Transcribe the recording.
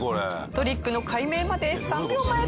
トリックの解明まで３秒前。